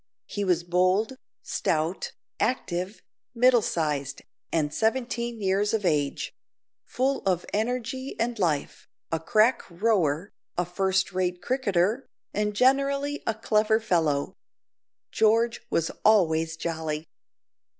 He was bold, stout, active, middle sized, and seventeen years of age; full of energy and life, a crack rower, a first rate cricketer, and generally a clever fellow. George was always jolly.